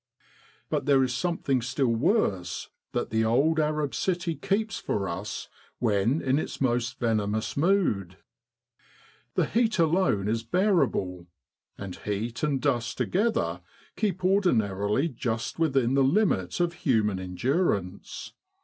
" But there is something still worse that the old Arab city keeps for us when in its most venomous" mood. The heat alone is bearable, and heat and dust together keep ordinarily just within the limit of human endurance.